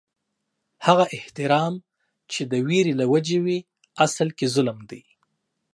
هغه احترام چې د وېرې له وجې وي، اصل کې ظلم دي